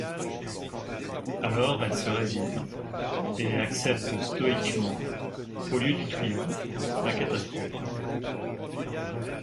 Alors elle se résigne, et accepte stoïquement, au lieu du triomphe, la catastrophe.